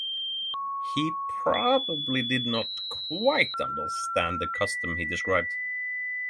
He probably did not quite understand the custom he described.